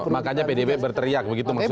makanya pdip berteriak begitu maksudnya